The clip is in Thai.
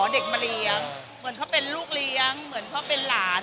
เด็กมาเลี้ยงเหมือนเขาเป็นลูกเลี้ยงเหมือนเขาเป็นหลาน